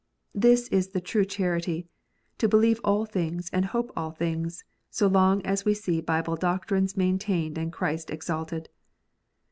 This is the true charity, to believe all things and hope all things, so long as we see Bible doctrines maintained and Christ exalted.